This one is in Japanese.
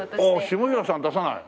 下平さん出さない？